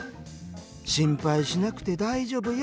「心配しなくて大丈夫よ。